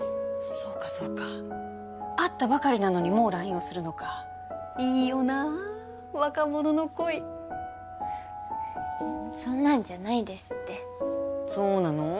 そうかそうか会ったばかりなのにもうＬＩＮＥをするのかいいよなあ若者の恋そんなんじゃないですってそうなの？